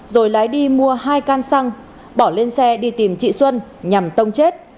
rồi lái đi mua hai can xăng bỏ lên xe đi tìm chị xuân nhằm tông chết